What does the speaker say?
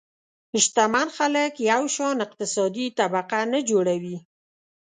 شتمن خلک یو شان اقتصادي طبقه نه جوړوي.